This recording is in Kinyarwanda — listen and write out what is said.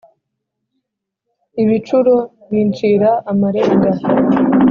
ibicuro bincira amarenga